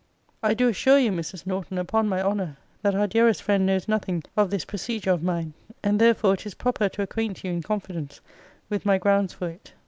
I do assure you, Mrs. Norton, upon my honour, that our dearest friend knows nothing of this procedure of mine: and therefore it is proper to acquaint you, in confidence, with my grounds for it.